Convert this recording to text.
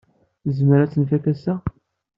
Ad nezmer ad t-nfak ass-a?